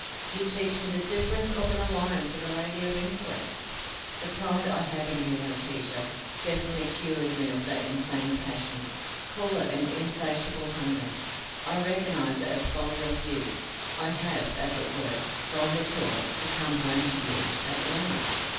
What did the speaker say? You teach me the difference of an alliance with a lady of intellect. The pride I have in you, Laetitia, definitely cures me of that insane passion call it an insatiable hunger. I recognize it as a folly of youth. I have, as it were, gone the tour, to come home to you at last?